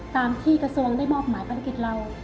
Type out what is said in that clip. ตามที่กระทรวงได้มอบหมายภารกิจเรา